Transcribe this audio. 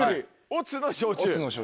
乙の焼酎。